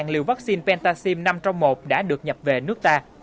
một trăm sáu mươi liều vaccine pentaxim năm trong một đã được nhập về nước ta